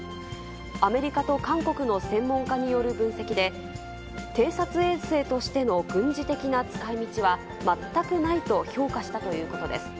アメリカと韓国の専門家による分析で、偵察衛星としての軍事的な使いみちは全くないと評価したということです。